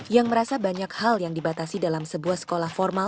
yang merasa banyak hal yang dibatasi dalam sebuah sekolah formal